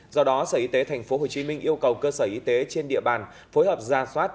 do đó sở y tế tp hcm yêu cầu cơ sở y tế trên địa bàn phối hợp ra soát